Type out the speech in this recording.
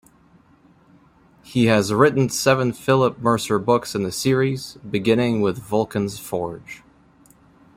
He has written seven Phillip Mercer books in the series, beginning with "Vulcan's Forge".